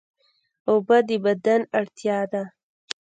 اوبه د بدن اړتیا ده